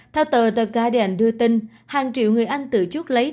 theo tờ the guardian đưa tin hàng triệu người anh tự chút lấy